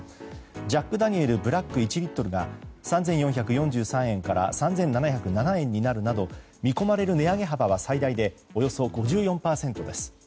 ジャックダニエルブラック１リットルが、３４４３円から３７０７円になるなど見込まれる値上げ幅は最大でおよそ５４％です。